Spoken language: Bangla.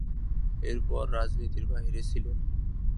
এরপর রাজনীতির বাহিরে ছিলেন।